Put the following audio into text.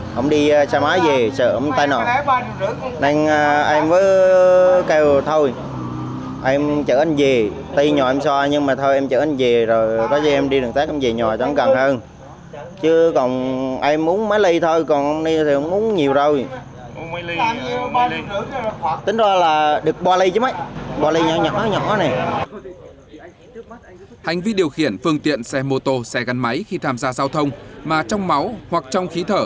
hành vi điều khiển phương tiện xe mô tô xe gắn máy khi tham gia giao thông mà trong máu hoặc trong khí thở